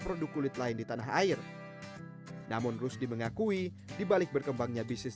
produk kulit lain di tanah air namun harus dimengakui dibalik berkembangnya bisnis derusa